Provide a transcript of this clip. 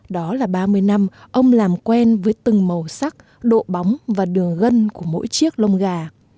đó là ba mươi năm ông làm quen với từng màu sắc độ bóng và đường gân của mỗi chiếc lông gà